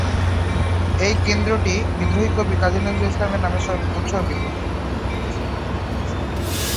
এই কেন্দ্রটি বিদ্রোহী কবি কাজী নজরুল ইসলামের নামে উৎসর্গিত।